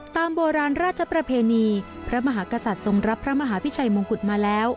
ตามโบราณราชประเพณีพระมหากษัตริย์ทรงรับพระมหาพิชัยมงกุฎมาแล้ว